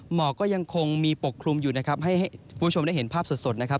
หมอกก็ยังคงมีปกคลุมอยู่นะครับให้คุณผู้ชมได้เห็นภาพสดนะครับ